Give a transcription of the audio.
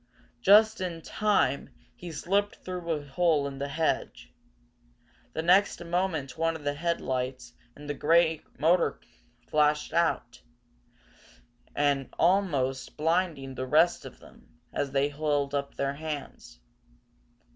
Just in time he slipped through a hole in the hedge. The next moment one of the headlights in the grey motor flashed out, almost blinding the the rest of them, as they held up their hands.